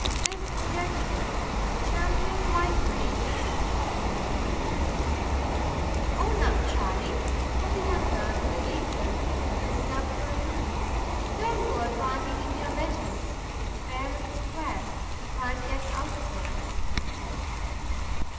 "This gentleman, the champion lightweight " "Own up, Charlie," said the young man with the gaiters, looking up for a moment. "And don't go a dragging in your betters. It's fair and square. You can't get out of it."